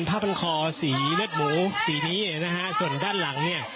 ผ้าพันคอสีเลือดหมูสีนี้นะฮะส่วนด้านหลังเนี่ย